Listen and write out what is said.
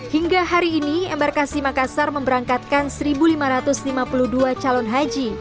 hingga hari ini embarkasi makassar memberangkatkan satu lima ratus lima puluh dua calon haji